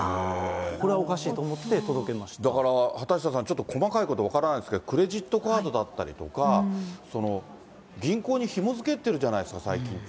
これはおかしいと思って届け出まだから畑下さん、ちょっと細かいこと分からないですけど、クレジットカードだったりとか、銀行にひもづけてるじゃないですか、最近って。